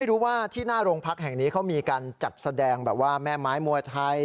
รู้ว่าที่หน้าโรงพักแห่งนี้เขามีการจัดแสดงแบบว่าแม่ไม้มวยไทย